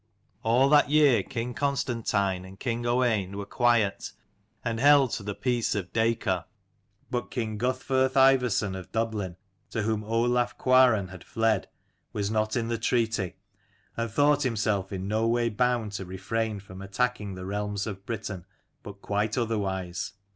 LL that year king Constantine and king Owain were quiet, and held to the peace of Dacor. But king Guthferth Ivarson of Dublin, to whom Olaf Cuaran had fled, was not in the treaty, and thought himself in no way bound to refrain from attacking the realms of Britain, but quite otherwise.